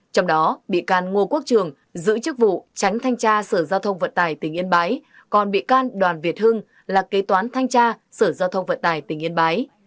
trong đó bị can ngô quốc trường giữ chức vụ tránh thanh tra sở giao thông vận tài tỉnh yên bái còn bị can đoàn việt hưng là kế toán thanh tra sở giao thông vận tài tỉnh yên bái